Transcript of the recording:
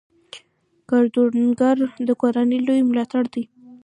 کروندګر د کورنۍ لوی ملاتړی دی